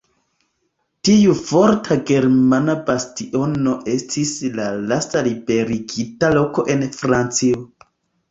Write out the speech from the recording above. Tiu forta germana bastiono estis la lasta liberigita loko en Francio.